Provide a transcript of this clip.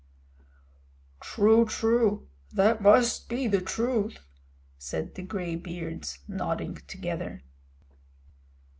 "True, true, that must be the truth," said the gray beards, nodding together.